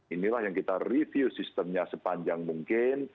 inilah yang kita review sistemnya sepanjang mungkin